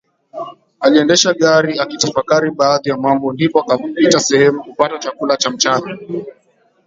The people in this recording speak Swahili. Aliendesha gari akitafakari baadhi ya mambo ndipo akapita sehemu kupata chakula cha mchana